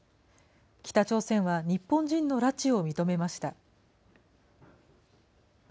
北朝鮮は日本人の拉致を認めました。